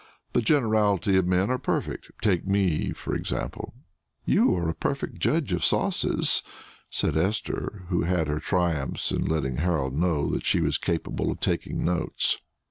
The generality of men are perfect. Take me, for example." "You are a perfect judge of sauces," said Esther, who had her triumphs in letting Harold know that she was capable of taking notes.